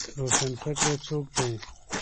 روشنفکر څوک دی؟